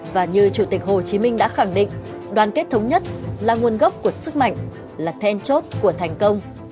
và như chủ tịch hồ chí minh đã khẳng định đoàn kết thống nhất là nguồn gốc của sức mạnh là then chốt của thành công